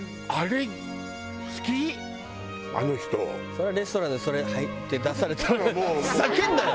そりゃレストランでそれ「はい」って出されたら「ふざけんなよ！」